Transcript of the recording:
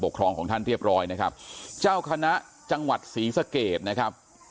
ของท่านเรียบร้อยนะครับเจ้าคณะจังหวัดศรีสะเกดนะครับ